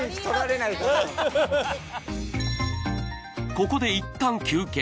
ここでいったん休憩。